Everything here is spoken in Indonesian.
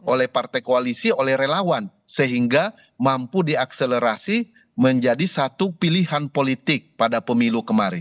oleh partai koalisi oleh relawan sehingga mampu diakselerasi menjadi satu pilihan politik pada pemilu kemarin